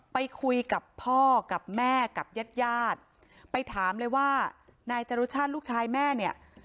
ไปคุยกับพ่อกับแม่กับญาติญาติไปถามเลยว่านายจรุชาติลูกชายแม่เนี่ย